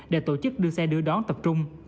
để tổ chức đưa xe đưa đón tập trung